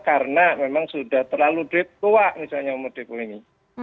karena memang sudah terlalu tua misalnya umur depo ini